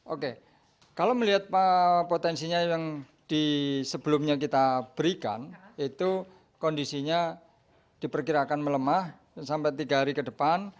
oke kalau melihat potensinya yang sebelumnya kita berikan itu kondisinya diperkirakan melemah sampai tiga hari ke depan